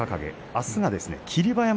あすは霧馬山。